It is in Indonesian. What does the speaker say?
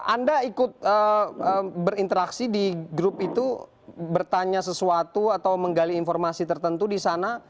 anda ikut berinteraksi di grup itu bertanya sesuatu atau menggali informasi tertentu di sana